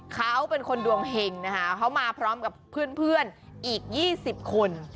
เขาเป็นคนดวงเห็งนะคะเขามาพร้อมกับเพื่อนอีก๒๐คน